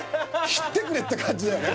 切ってくれって感じだよね